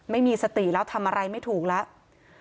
ไม่มีสติแล้วทำอะไรไม่ถูกแล้ว